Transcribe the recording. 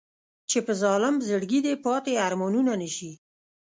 چې په ظالم زړګي دې پاتې ارمانونه نه شي.